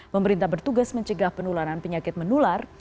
pemerintah bertugas mencegah penularan penyakit menular